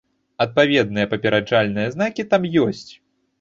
Адпаведныя папераджальныя знакі там ёсць.